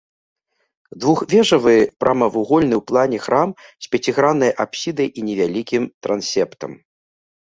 Двухвежавы прамавугольны ў плане храм з пяціграннай апсідай і невялікім трансептам.